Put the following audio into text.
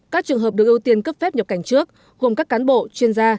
các trường hợp được ưu tiên cấp phép nhập cảnh trước gồm các cán bộ chuyên gia